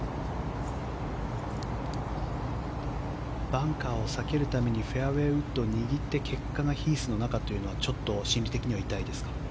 バンカーを避けるためにフェアウェーウッドを握って結果がヒースの中というのはちょっと心理的には痛いですか？